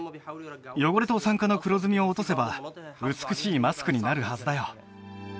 汚れと酸化の黒ずみを落とせば美しいマスクになるはずだよ